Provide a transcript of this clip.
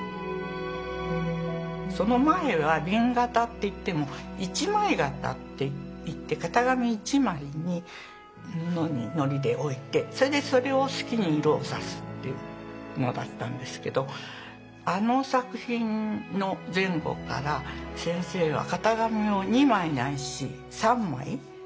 その前は紅型っていっても一枚型っていって型紙１枚にのりで置いてそれでそれを好きに色を差すっていうのだったんですけどあの作品の前後から先生は型紙を２枚ないし３枚使う。